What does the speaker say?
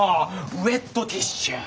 ウエットティッシュ。